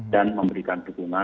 dan memberikan dukungan